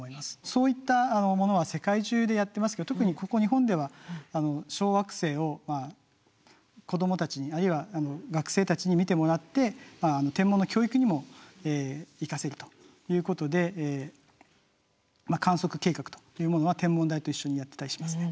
そういったものは世界中でやってますけど特にここ日本では小惑星を子供たちにあるいは学生たちに見てもらって天文の教育にも生かせるということで観測計画というものは天文台と一緒にやってたりしますね。